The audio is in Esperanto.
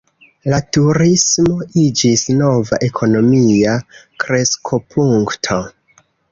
La turismo iĝis nova ekonomia kreskopunkto.